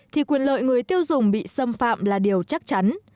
thì quyền lợi người tiêu dùng bị xâm phạm là điều chắc chắn